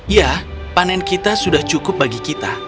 ya panen kita sudah cukup bagi kita